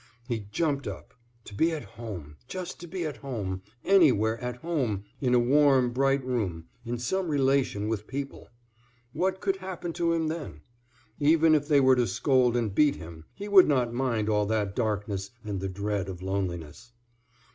He jumped up. To be at home, just to be at home, anywhere at home in a warm, bright room, in some relation with people. What could happen to him then? Even if they were to scold and beat him, he would not mind all that darkness and the dread of loneliness.